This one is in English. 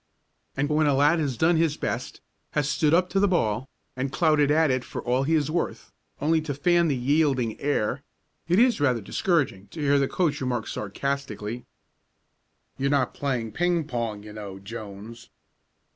And when a lad has done his best, has stood up to the ball, and clouted at it for all he is worth, only to fan the yielding air, it is rather discouraging to hear the coach remark sarcastically: "You're not playing ping pong, you know, Jones."